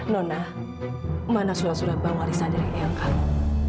nona mana surat surat bang warisan dari iyeng kamu